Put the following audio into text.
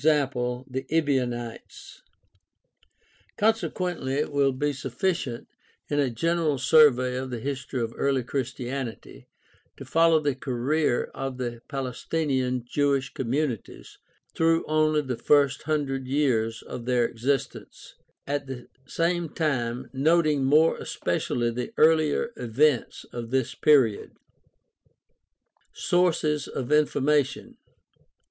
the Ebionites). Consequently THE STUDY OF EARLY CHRISTIANITY 271 it will be sufficient, in a general survey of the history of early Christianity, to follow the career of the Palestinian Jewish communities through only the first hundred years of their existence, at the same time noting more especially the earlier events in this period. Sources of information.